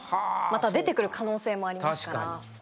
出てくる可能性もありますから。